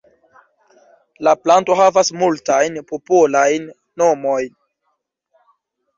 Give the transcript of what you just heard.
La planto havas multajn popolajn nomojn.